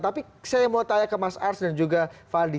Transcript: tapi saya mau tanya ke mas ars dan juga faldi